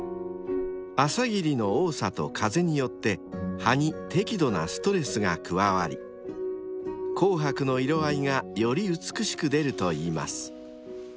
［朝霧の多さと風によって葉に適度なストレスが加わり紅白の色合いがより美しく出るといいます］